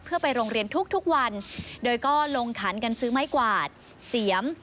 เพื่อไปโรงเรียนทุกวันโดยก็ลงขันกันซื้อไม้กวาดเสียม